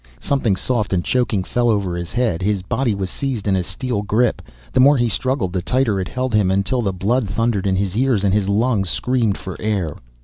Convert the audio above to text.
Something soft and choking fell over his head, his body was seized in a steel grip. The more he struggled the tighter it held him until the blood thundered in his ears and his lungs screamed for air.